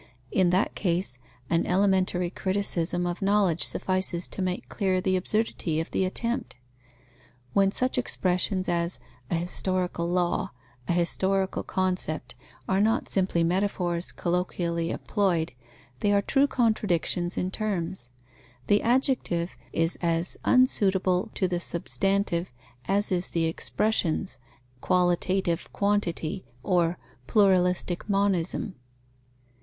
In that case, an elementary criticism of knowledge suffices to make clear the absurdity of the attempt. When such expressions as a historical law, a historical concept are not simply metaphors colloquially employed, they are true contradictions in terms: the adjective is as unsuitable to the substantive as in the expressions qualitative quantity or pluralistic monism.